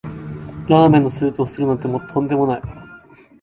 ラーメンのスープを捨てるなんてとんでもない